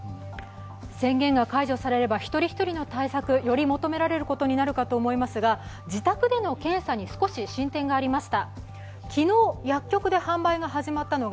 宣言が解除されれば一人一人の対策がより求められることになりますが自宅での検査に少し進展がありました。